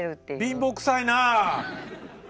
貧乏くさいなあ！